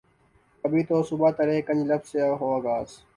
کبھی تو صبح ترے کنج لب سے ہو آغاز